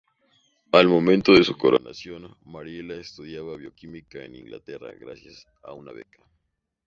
Al momento de su coronación Mariela estudiaba Bioquímica en Inglaterra gracias a una beca.